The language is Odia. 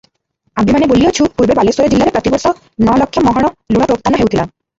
ଆମ୍ଭେମାନେ ବୋଲିଅଛୁଁ, ପୂର୍ବେ ବାଲେଶ୍ୱର ଜିଲ୍ଲାରେ ପ୍ରତି ବର୍ଷ ନ ଲକ୍ଷ ମହଣ ଲୁଣ ପ୍ରୋକ୍ତାନ ହେଉଥିଲା ।